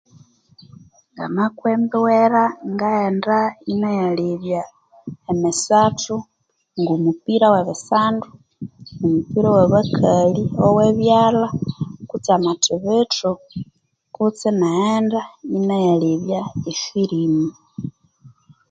Nga mwaka embwera ngaghenda ina yalebya emisathu ngo mupiira we bisandu omupiira wa bakali owe byalha kutse amathibithu kutsibu inaghenda ina yalebya efirimu